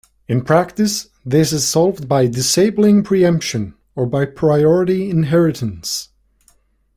In practice, this is solved by disabling preemption or by priority inheritance.